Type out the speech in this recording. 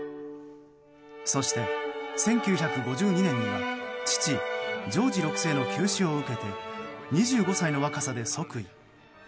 そして、１９５２年には父ジョージ６世の急死を受けて２５歳の若さで即位。